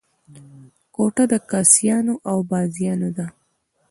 کوټه د کاسيانو او بازیانو ده.